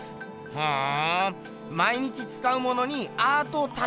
ふん。